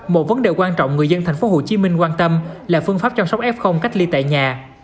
một vấn đề quan trọng người dân thành phố hồ chí minh quan tâm là phương pháp chăm sóc f cách ly tại nhà